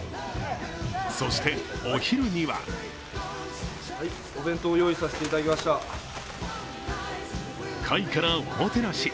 そしてお昼には甲斐からおもてなし。